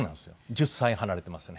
１０歳離れていますね。